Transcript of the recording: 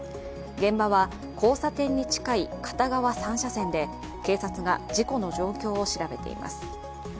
現場は交差点に近い片側３車線で警察が事故の状況を調べています。